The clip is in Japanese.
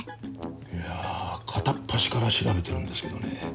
いや片っ端から調べてるんですけどね